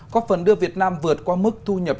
có phần đưa việt nam vượt qua mức thu nhập